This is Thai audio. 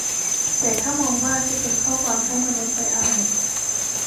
แต่ถ้ามองว่าจะเป็นข้อความให้มนุษย์ไปอ่าน